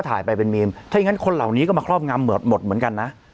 ถ้าอย่างนั้นคนเหล่านี้ก็มาครอบงำเหมือนกัน